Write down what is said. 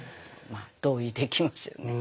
まあ同意できますよね。